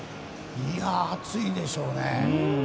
いや、暑いでしょうね。